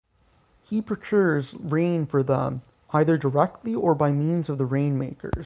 He procures rain for them either directly or by means of the rainmakers.